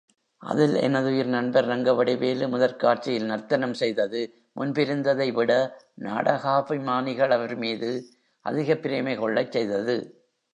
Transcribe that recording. அதில் எனதுயிர் நண்பர் ரங்கவடிவேலு முதற்காட்சியில் நர்த்தனம் செய்தது, முன்பிருந்ததைவிட நாடகாபிமானிகள் அவர்மீது அதிகப் பிரேமை கொள்ளச் செய்தது.